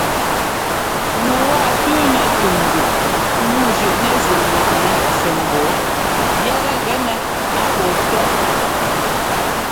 Ŋu waa tʉ́nɛ tú mbi nǔu zʉꞌnɛzíꞌŋwaꞌnɛ sɛ́ ŋ́gɔɔ yɛtɛ gɛnɛ a pɔɔ tɔ́.